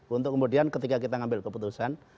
untuk kemudian ketika kita ngambil keputusan